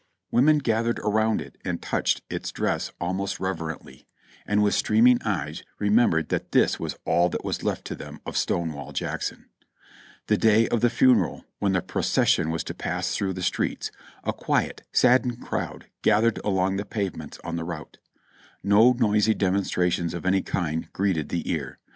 Women gath 364 JOHNNY RE;b and BILLY YANK ered around it and touched its dress almost reverentially, and with streaming eyes remembered that this was all that was left to them of Stonewall Jackson. The day of the funeral, when the procession was to pass through the streets, a quiet, saddened crowd gathered along the pave ments on the route. No noisy demonstrations of any kind greeted the ear.